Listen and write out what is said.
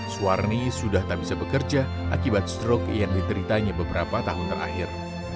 suwarni sudah tak bisa bekerja akibat stroke yang diteritanya beberapa tahun terakhir